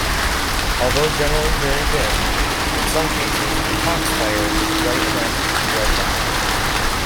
Although generally very dim, in some cases foxfire is bright enough to read by.